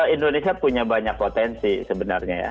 indonesia punya banyak potensi sebenarnya ya